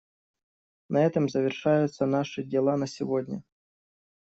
На этом завершаются наши дела на сегодня.